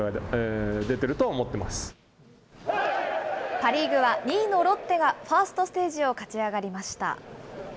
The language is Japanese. パ・リーグは２位のロッテがファーストステージを勝ち上がりました。